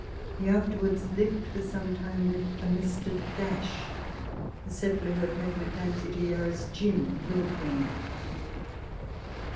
He afterwards lived for some time with a Mr. , a settler, who had taken a fancy to Yarra's gin, Lewequeen.